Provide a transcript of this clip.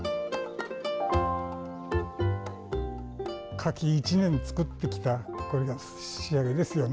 柿、１年作ってきたこれが仕上げですよね。